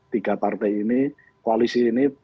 tiga partai ini koalisi ini